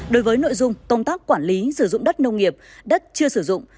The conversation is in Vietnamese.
đối với nội dung công tác quản lý sử dụng đất nông nghiệp đất chưa sử dụng